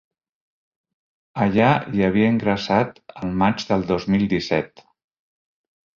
Allà hi havia ingressat el maig del dos mil disset.